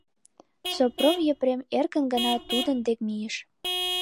Сопром Епрем эркын гына тудын дек мийыш.